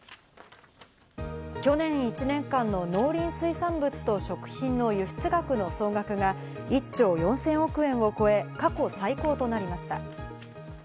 去年１年間の農林水産物と食品の輸出額の総額が、１兆４０００億円を超え、過去最高となりました。